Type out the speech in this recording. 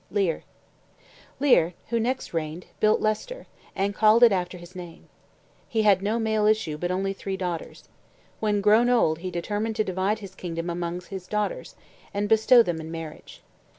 LEIR Leir, who next reigned, built Leicester, and called it after his name. He had no male issue, but only three daughters. When grown old he determined to divide his kingdom among his daughters, and bestow them in marriage.